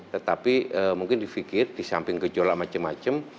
tetapi mungkin di pikir di samping gejolak macem macem